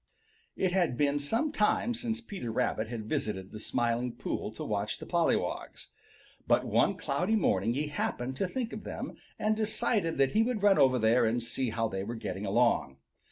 It had been some time since Peter Rabbit had visited the Smiling Pool to watch the pollywogs. But one cloudy morning he happened to think of them, and decided that he would run over there and see how they were getting along.